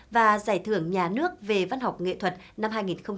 và giải thưởng nhà nước về văn học nghệ thuật năm hai nghìn một mươi tám